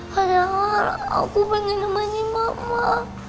kadang kadang aku pengen nemenin mama